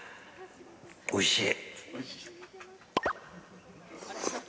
おいしい。